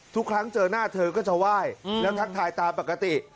ทุกครั้งเจอหน้าเธอก็จะไหว้แล้วทักทายตามปกติ